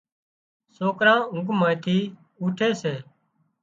سوڪران اونگھ مانئين ٿي اوٺي سي